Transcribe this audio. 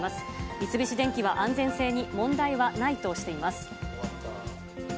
三菱電機は安全性に問題はないとしています。